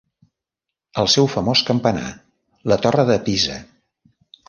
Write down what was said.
El seu famós campanar la Torre de Pisa.